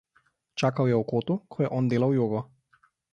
Čakal je v kotu, ko je on delal jogo.